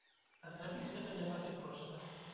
А зрабіць гэта не так і проста.